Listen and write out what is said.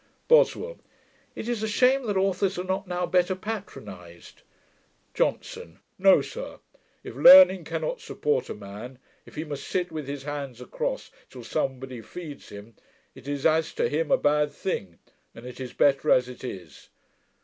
BOSWELL. 'It is a shame that authors are not now better patronized.' JOHNSON. 'No, sir. If learning cannot support a man, if he must sit with his hands across till somebody feeds him, it is as to him a bad thing, and it is better as it is.